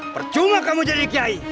percuma kamu jadi kiai